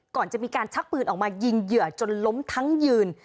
ก่อนจะมีการชักปืนออกมายิงเหยื่อจนล้มทั้งยืน